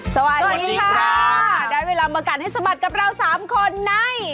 สวัสดีค่ะได้เวลามากัดให้สะบัดกับเราสามคนใน